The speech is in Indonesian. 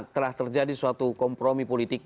telah terjadi suatu kompromi politik